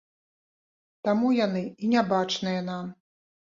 Таму яны і нябачныя нам.